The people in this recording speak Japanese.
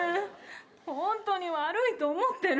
ほんとに悪いと思ってる。